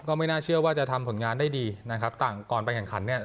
ไม่น่าเชื่อว่าจะทำผลงานได้ดีนะครับต่างก่อนไปแข่งขันเนี่ย